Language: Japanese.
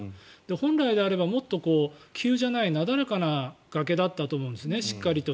本来であればもっと急じゃないなだらかな崖だったと思ってるんですよ